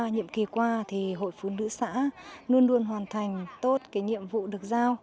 nhiệm kỳ qua thì hội phụ nữ xã luôn luôn hoàn thành tốt cái nhiệm vụ được giao